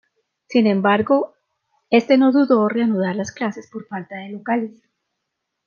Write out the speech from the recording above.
Sin embargo, este no pudo reanudar las clases por falta de locales.